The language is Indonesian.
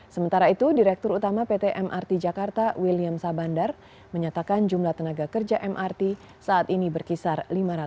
sementara itu direktur utama pt mrt jakarta william sabandar menyatakan jumlah tenaga kerja mrt saat ini berkisar lima ratus